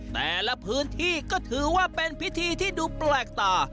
แต่ละพื้นที่ก็ถือว่าเป็นพิธีที่ดูแปลกตา